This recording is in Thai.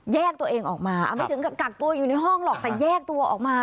แยกตัวเองออกมาไม่ถึงกับกักตัวอยู่ในห้องหรอกแต่แยกตัวออกมา